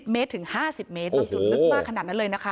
เมตรถึง๕๐เมตรบางจุดลึกมากขนาดนั้นเลยนะคะ